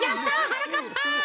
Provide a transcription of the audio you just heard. はなかっぱ！